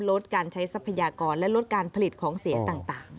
ลดการใช้ทรัพยากรและลดการผลิตของเสียต่าง